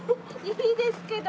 いいですけど。